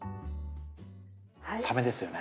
サメですよね？